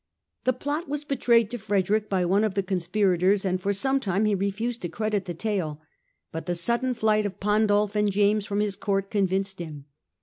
The plot was betrayed to Frederick by one of the conspirators, and for some time he refused to credit the tale. But the sudden flight of Pandulf and James from his Court convinced him.